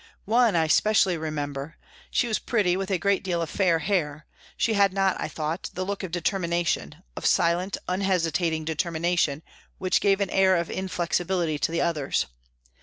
One I specially remember. She was pretty, with a great deal of fair hair. She had not, I thought, the look of determination, of silent, unhesitating determination, which gave an air of inflexibility to the others.